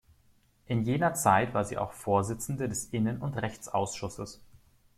In jener Zeit war sie auch Vorsitzende des Innen- und Rechtsausschusses.